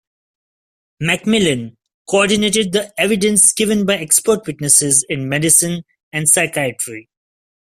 Macmillan, coordinated the evidence given by expert witnesses in medicine and psychiatry.